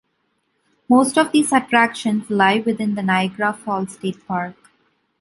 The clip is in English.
Most of these attractions lie within the Niagara Falls State Park.